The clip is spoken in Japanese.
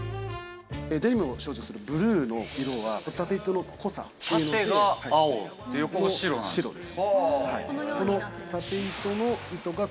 デニムを象徴するブルーの色は縦糸の濃さというので。